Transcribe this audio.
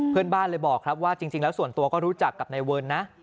เพื่อนบ้านเลยบอกครับว่าจริงแล้วส่วนตัวก็รู้จักกับนายเวิร์นนะ